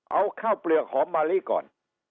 เอาข้าวเปลือกหอมมะลิก่อน